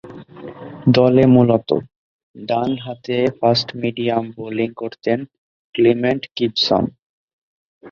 দলে মূলতঃ ডানহাতে ফাস্ট-মিডিয়াম বোলিং করতেন ক্লিমেন্ট গিবসন।